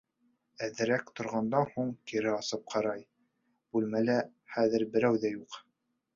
Әҙерәк торғандан һуң, кире асып ҡарай: бүлмәлә хәҙер берәү ҙә юҡ.